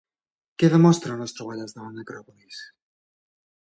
Què demostren les troballes de la necròpolis?